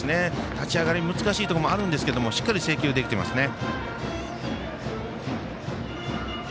立ち上がり難しいところもあるんですがしっかり制球できていますね。